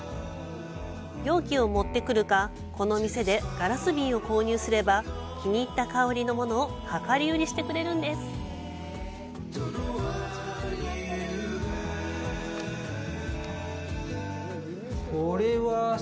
容器を持ってくるかこの店でガラス瓶を購入すれば気に入った香りのものを量り売りしてくれるんです。